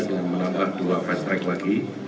dengan melangkah dua pastrek lagi